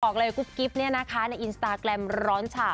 บอกเลยกุ๊บกิ๊บเนี่ยนะคะในอินสตาแกรมร้อนฉ่า